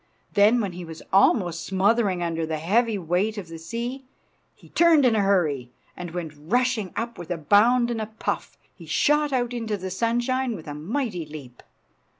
Then, when he was almost smothering under the heavy weight of the sea, he turned in a hurry, and went rushing up with a bound and a puff. He shot out into the sunshine with a mighty leap.